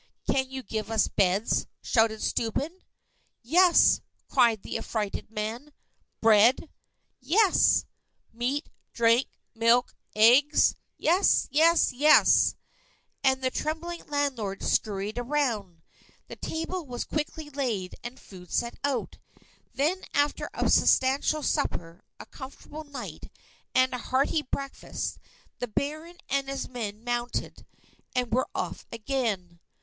"Can you give us beds?" shouted Steuben. "Yes!" cried the affrighted man. "Bread?" "Yes!" "Meat drink milk eggs?" "Yes! yes! yes! yes!" And the trembling landlord scurried around. The table was quickly laid, and food set out. Then after a substantial supper, a comfortable night and a hearty breakfast, the Baron and his men mounted and were off again.